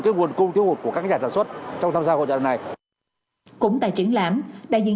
cái nguồn cung thiếu hụt của các nhà sản xuất trong tham gia hoạt động này cũng tại triển lãm đại diện